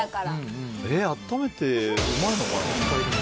あっためて、うまいのかな。